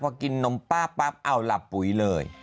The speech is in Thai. เพราะกินนมปล้าเอาหลับปุ๋ยเลย